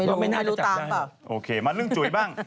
ไม่รู้ว่าพี่จับได้หรือเปล่าโอเคมาเรื่องจุ๋ยบ้าง